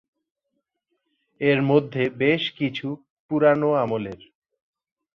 এরমধ্যে বেশকিছু পুরানো আমলের।